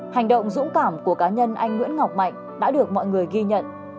hành động dũng cảm của cá nhân anh nguyễn ngọc mạnh đã được mọi người ghi nhận